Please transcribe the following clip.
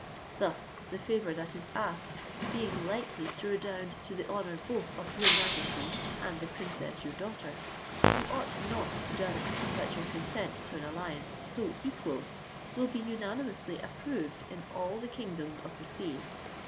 Thus the favour that is asked being likely to redound to the honour both of your majesty and the princess your daughter, you ought not to doubt that your consent to an alliance so equal will be unanimously approved in all the kingdoms of the sea.